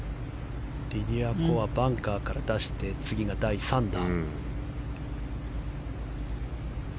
リディア・コはバンカーから出して次が第３打。